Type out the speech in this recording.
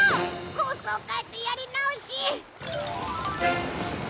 コースを変えてやり直し。